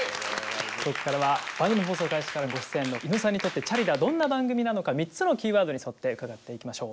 ここからは番組放送開始からご出演の猪野さんにとって「チャリダー★」どんな番組なのか３つのキーワードに沿って伺っていきましょう。